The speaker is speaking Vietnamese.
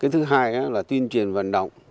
thứ hai là tuyên truyền vận động